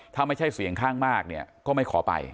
ถ้าไม่ใช่เสียงข้างมากเนี่ยก็ไม่ขอไป